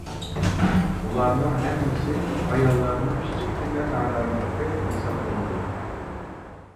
بۇلارنىڭ ھەممىسى ئاياللارنىڭ كىچىككىنە نارازىلىقى ھېسابلىنىدۇ.